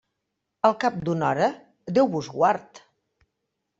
Al cap d'una hora, Déu vos guard.